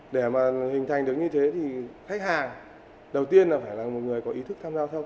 để mà hình thành được như thế thì khách hàng đầu tiên là phải là một người có ý thức tham gia giao thông